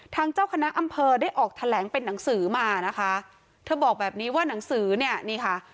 เจ้าคณะอำเภอได้ออกแถลงเป็นหนังสือมานะคะเธอบอกแบบนี้ว่าหนังสือเนี่ยนี่ค่ะ